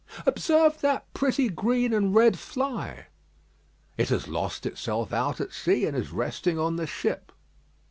"Observe that pretty green and red fly." "It has lost itself out at sea, and is resting on the ship."